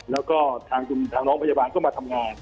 แล้วก็ทางน้องพยาบาลก็มาทำงาน